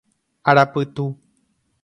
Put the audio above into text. Arapytu.